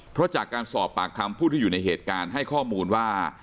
เพราะจากการสอบปากคำผู้ที่อยู่ในเหตุการณ์ให้ข้อมูลว่า